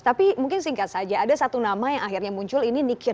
tapi mungkin singkat saja ada satu nama yang akhirnya muncul ini nikir